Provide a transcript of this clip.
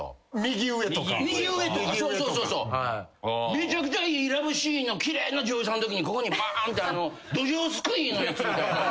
めちゃくちゃいいラブシーンの奇麗な女優さんのときにここにバーンってどじょうすくいのやつみたいな。